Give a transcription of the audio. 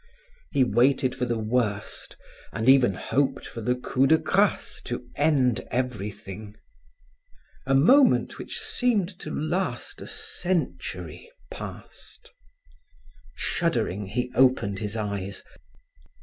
He waited for the worst and even hoped for the coup de grace to end everything. A moment which seemed to last a century passed. Shuddering, he opened his eyes.